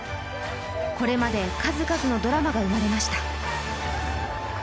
これまで数々のドラマが生まれました。